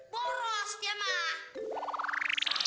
boros dia mak